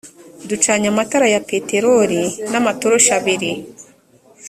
ducanye amatara ya peteroli n amatoroshi abiri